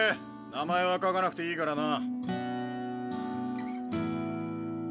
名前は書かなくていいからな。